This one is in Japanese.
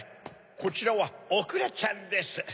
こちらはおくらちゃんです。